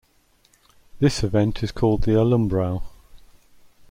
This event is called the "alumbrao".